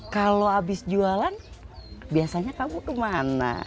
kalau habis jualan biasanya kamu kemana